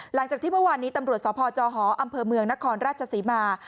หลังจากที่เมื่อวานนี้ตำรวจสพจหออำเภอเมืองนครราชศรีมา